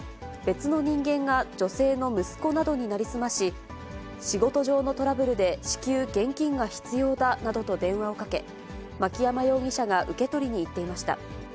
別の人間が女性の息子などに成り済まし、仕事上のトラブルで至急現金が必要だなどと電話をかけ、マキヤマ容疑者が受け取りに行っていました。